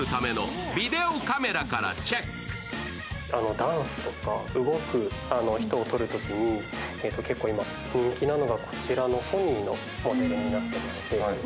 ダンスとか動く人を撮るときに結構、今人気なのがこちらのソニーのモデルになってまして。